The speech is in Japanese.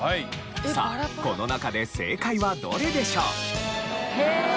さあこの中で正解はどれでしょう？